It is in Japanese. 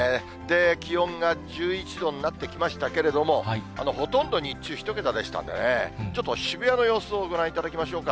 気温が１１度になってきましたけれども、ほとんど日中、１桁でしたんでね、ちょっと渋谷の様子をご覧いただきましょうか。